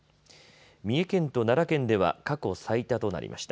三重県と奈良県では過去最多となりました。